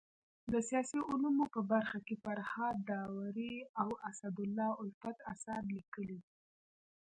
د سیاسي علومو په برخه کي فرهاد داوري او اسدالله الفت اثار ليکلي دي.